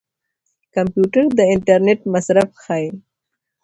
کمپيوټر د انټرنيټ مصرف ښيي.